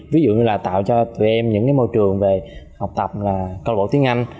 ví dụ như là tạo cho tụi em những môi trường về học tập là câu đổ tiếng anh